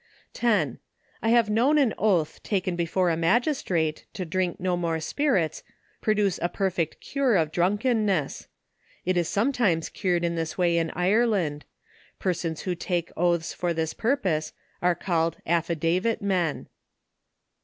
10. I have known an oath taken before a magistrate, to drink no more spirits, produce a perfect cure of drunk enness. It is sometimes cured in this way in Ireland. — Persons who take oaths for this purpose, are called affi davit men.